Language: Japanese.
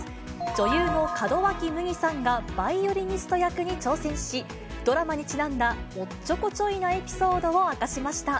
女優の門脇麦さんがバイオリニスト役に挑戦し、ドラマにちなんだ、おっちょこちょいなエピソードを明かしました。